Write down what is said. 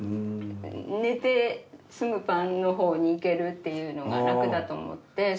寝てすぐパンのほうに行けるっていうのが楽だと思って。